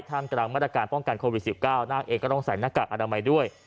กลางมาตรการป้องกันโควิด๑๙นาคเองก็ต้องใส่หน้ากากอนามัยด้วย